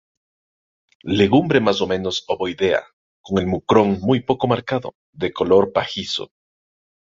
Legumbre más o menos ovoidea, con el mucrón muy poco marcado, de color pajizo.